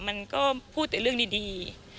มันก็พูดแต่เรื่องดี